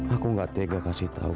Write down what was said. aku gak tega kasih tahu